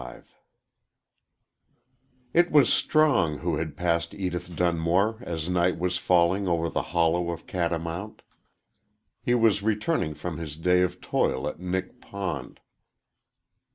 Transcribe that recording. XXV IT was Strong who had passed Edith Dunmore as night was falling over the hollow of Catamount. He was returning from his day of toil at Nick Pond.